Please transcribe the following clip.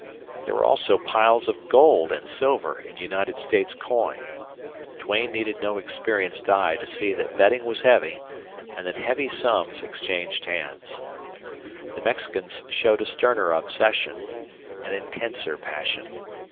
There were also piles of gold and silver in United States coin. Duane needed no experienced eyes to see that betting was heavy and that heavy sums exchanged hands. The Mexicans showed a sterner obsession, an intenser passion.